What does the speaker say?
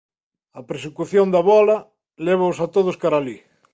A persecución da bóla lévaos a todos cara a alí.